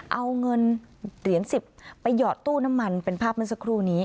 เอาเงินเหรียญ๑๐ไปหยอดตู้น้ำมันเป็นภาพเมื่อสักครู่นี้